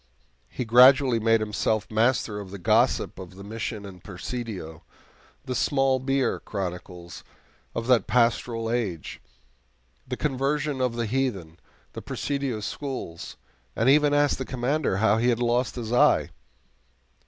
He gradually made himself master of the gossip of the Mission and Presidio, the "small beer" chronicles of that pastoral age, the conversion of the heathen, the Presidio schools, and even asked the Commander how he had lost his eye!